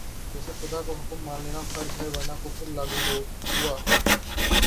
جیسے خدا کا حکم مان لینا فرض ہے ورنہ کفر لاگو ہوا